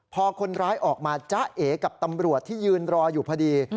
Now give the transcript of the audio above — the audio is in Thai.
พอคนร้ายออกมาจ๊ะเอกับตำรวจที่ยืนรออยู่พอดี